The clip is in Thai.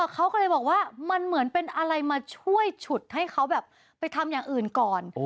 เขาก็เลยบอกว่ามันเหมือนเป็นอะไรมาช่วยฉุดให้เขาแบบไปทำอย่างอื่นก่อน